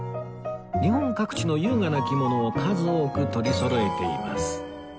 日本各地の優雅な着物を数多く取りそろえています